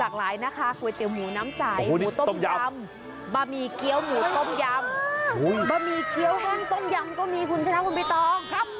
บะหมี่เคี้ยวห้างต้มยำก็มีคุณชนะคุณปีตอง